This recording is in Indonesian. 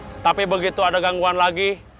tetapi begitu ada gangguan lagi